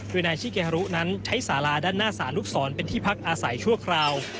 โดยนายชิเกฮรุนั้นใช้สาราด้านหน้าสารลูกศรเป็นที่พักอาศัยชั่วคราว